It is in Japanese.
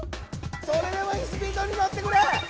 それでもいいスピードにのってくれ！